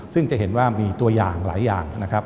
ซึ่งจะเห็นว่ามีตัวอย่างหลายอย่างนะครับ